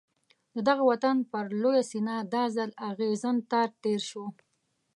د دغه وطن پر لویه سینه دا ځل اغزن تار تېر شو.